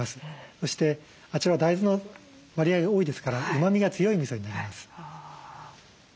そしてあちらは大豆の割合が多いですからうまみが強いみそになります。